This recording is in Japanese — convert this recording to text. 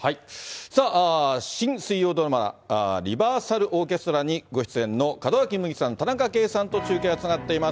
さあ、新水曜ドラマ、リバーサルオーケストラにご出演の門脇麦さん、田中圭さんと、中継がつながっています。